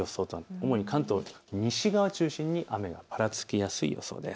主に関東西側を中心に雨がぱらつきやすい予想です。